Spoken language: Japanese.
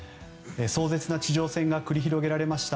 壮絶な地上戦が繰り広げられました